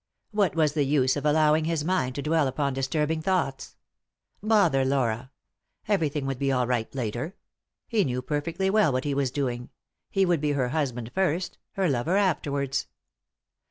What was the use of allowing his mind to dwell upon disturbing thoughts ? Bother Laura I Everything would be all right later ; he knew perfectly well what he was doing— he would be her husband first, her lover afterwards.